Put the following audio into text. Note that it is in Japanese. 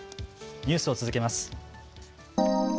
ニュースを続けます。